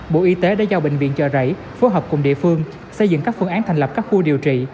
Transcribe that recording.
bộ y tế đã giao bệnh viện chợ rẫy phối hợp cùng địa phương xây dựng các phương án thành lập các khu điều trị